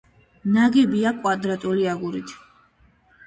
ნაგებია კვადრატული აგურით.